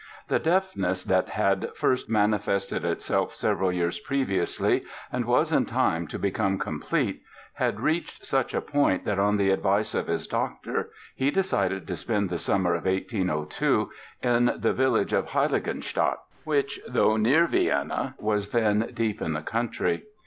The deafness that had first manifested itself several years previously and was in time to become complete had reached such a point that on the advice of his doctor he decided to spend the summer of 1802 in the village of Heiligenstadt, which, though near Vienna, was then deep in the country.